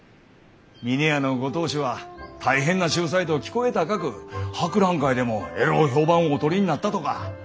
峰屋のご当主は大変な秀才と聞こえ高く博覧会でもえろう評判をお取りになったとか。